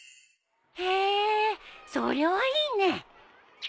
へえそれはいいね。